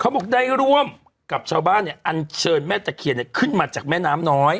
เขาบอกได้รวมกับชาวบ้านอันเชิญแม่จักรียนขึ้นมาจากแม่น้ำน้อย